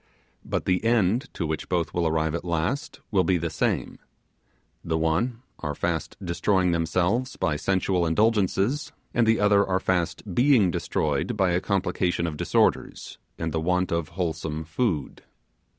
But the end to which both will arrive at last will be the same: the one are fast destroying themselves by sensual indulgences, and the other are fast being destroyed by a complication of disorders, and the want of wholesome food.